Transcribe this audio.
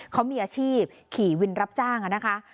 เขามีอาชีพขี่วินรับจ้างนะคะ